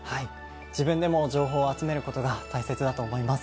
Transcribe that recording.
自分でも情報を集めることが大切だと思います。